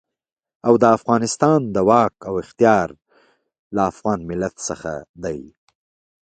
او د افغانستان د واک اختيار له افغان ملت څخه دی.